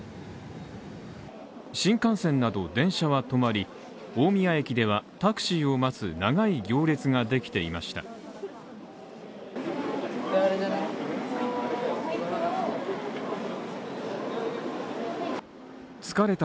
新幹線など電車は止まり、大宮駅ではタクシーを待つ長い行列ができていました。